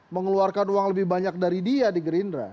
mengeluarkan uang lebih banyak dari dia di gerindra